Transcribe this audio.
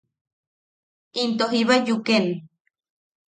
Into jiba yuken.